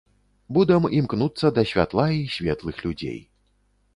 Будам імкнуцца да святла і светлых людзей.